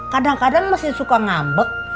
kadang kadang masih suka ngambek